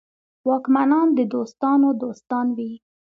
واکمنان د دوستانو دوستان وي.